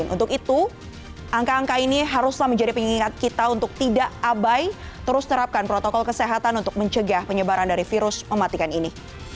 untuk itu angka angka ini haruslah menjadi pengingat kita untuk tidak abai terus terapkan protokol kesehatan untuk mencegah penyebaran dari virus mematikan ini